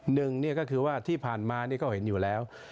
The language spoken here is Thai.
หนึ่งก็คือว่าที่ผ่านมานี่ก็เห็นอยู่แล้ว